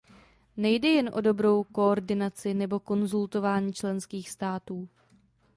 Nejde jen o dobrou koordinaci nebo konzultování členských států.